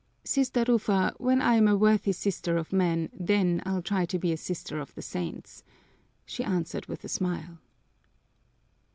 "Sister Rufa, when I am a worthy sister of men then I'll try to be a sister of the saints," she answered with a smile.